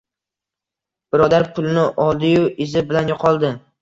Birodar pulni oldiyu, izi bilan yo‘qoldi.